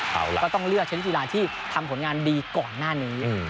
เอาล่ะก็ต้องเลือกชนิดกีฬาที่ทำผลงานดีก่อนหน้านี้